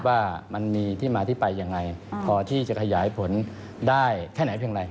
ว่ามันมีที่มาที่ไปยังไงพอที่จะขยายผลได้แค่ไหนเพียงไร